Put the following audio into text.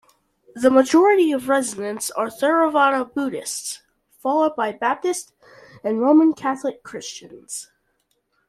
The majority of residents are Theravada Buddhists, followed by Baptist and Roman Catholic Christians.